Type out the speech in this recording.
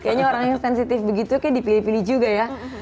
kayaknya orang yang sensitif begitu oke dipilih pilih juga ya